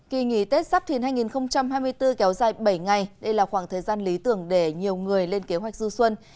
kỳ nghỉ tết sắp thìn hai nghìn hai mươi bốn kéo dài bảy ngày đây là khoảng thời gian lý tưởng để nhiều người lên kế hoạch du xuân